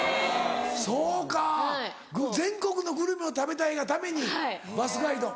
そうか全国のグルメを食べたいがためにバスガイド。